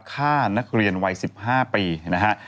ฆ่านักเรียนวัย๑๕ปีนะฮะ